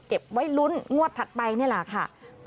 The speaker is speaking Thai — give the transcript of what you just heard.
เก็บไว้ลุ้นงวดถัดไปนี่แหละค่ะ